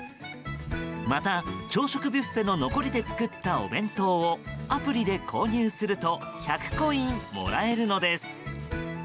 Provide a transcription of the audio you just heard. また、朝食ビュッフェの残りで作ったお弁当をアプリで購入すると１００コインもらえるのです。